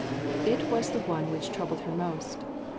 It was the one which troubled her most.